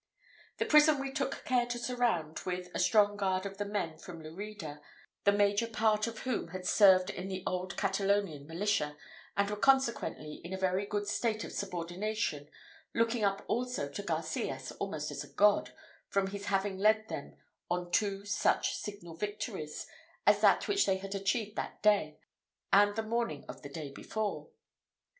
The prison we took care to surround with a strong guard of the men from Lerida, the major part of whom had served in the old Catalonian militia, and were consequently in a very good state of subordination, looking up also to Garcias almost as a god, from his having led them on to two such signal victories as that which they had achieved that day, and the morning of the day before.